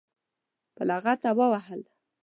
په لغته وهل.